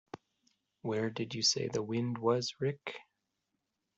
Where did you say the wind was, Rick?